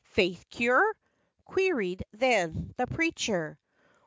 " Faith cure?" queried then the preacher.